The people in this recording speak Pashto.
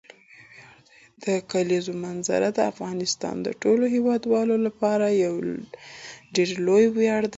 د کلیزو منظره د افغانستان د ټولو هیوادوالو لپاره یو ډېر لوی ویاړ دی.